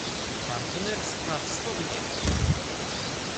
Partnerstwa Wschodniego